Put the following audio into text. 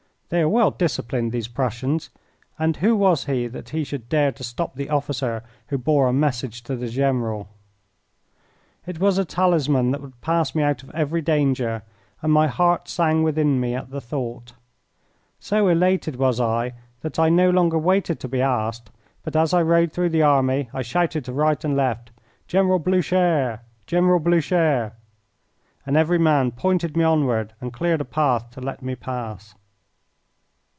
They are well disciplined, these Prussians, and who was he that he should dare to stop the officer who bore a message to the general? It was a talisman that would pass me out of every danger, and my heart sang within me at the thought. So elated was I that I no longer waited to be asked, but as I rode through the army I shouted to right and left, "General Blucher! General Blucher!" and every man pointed me onward and cleared a path to let me pass.